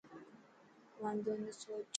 واندو نه سوچ.